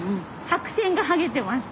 白線がはげてます。